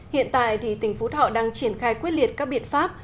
hiện tại tỉnh phú thọ đang triển khai quyết liệt các biện pháp